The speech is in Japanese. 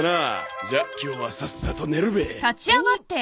じゃあ今日はさっさと寝るべ。